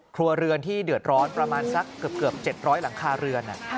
ครัวเรือนที่เดือดร้อนประมาณสักเกือบ๗๐๐หลังคาเรือน